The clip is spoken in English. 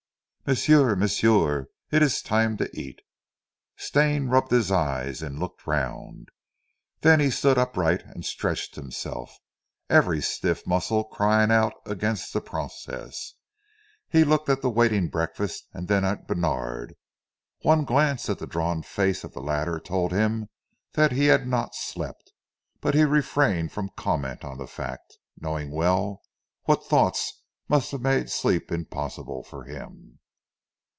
"M'sieu! m'sieu! It ees time to eat!" Stane rubbed his eyes and looked round. Then he stood upright and stretched himself, every stiff muscle crying out against the process. He looked at the waiting breakfast and then at Bènard. One glance at the drawn face of the latter told him that he had not slept, but he refrained from comment on the fact, knowing well what thoughts must have made sleep impossible for him.